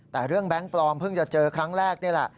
แต่เรื่องแบงค์ปลอมเพิ่งจะเจอครั้งแรกนี่แหละ